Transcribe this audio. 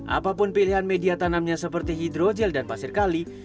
apapun pilihan media tanamnya seperti hidrogel dan pasir kali